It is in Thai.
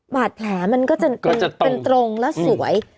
บาดแผลมันก็จะเป็นตรงและสวย